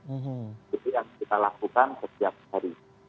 itu yang kita lakukan setiap hari